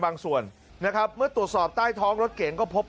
ส่วนนะครับเมื่อตรวจสอบใต้ท้องรถเก๋งก็พบ